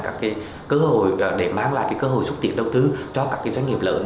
các cơ hội để mang lại cơ hội xúc tiến đầu tư cho các doanh nghiệp lớn